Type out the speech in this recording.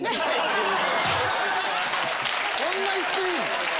こんな言っていいの？